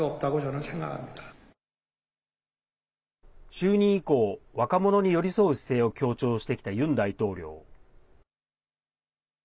就任以降若者に寄り添う姿勢を強調してきたユン大統領。